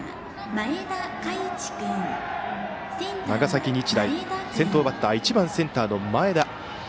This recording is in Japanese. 長崎日大、先頭バッターは１番センター、前田。